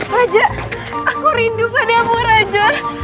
raja aku rindu padamu raja